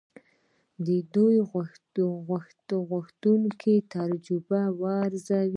دوی د غوښتونکو تجربه ارزوي.